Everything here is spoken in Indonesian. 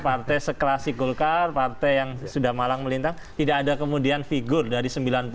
partai seklasik golkar partai yang sudah malang melintang tidak ada kemudian figur dari sembilan puluh lima sembilan puluh lima